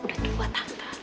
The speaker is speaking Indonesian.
udah jual tante